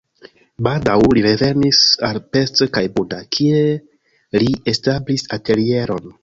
Baldaŭ li revenis al Pest kaj Buda, kie li establis atelieron.